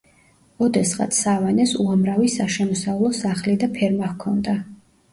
ოდესღაც სავანეს უამრავი საშემოსავლო სახლი და ფერმა ჰქონდა.